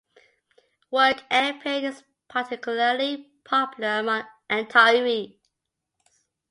Workamping is particularly popular among retirees.